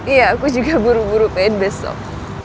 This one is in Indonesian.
iya aku juga buru buru pengen besok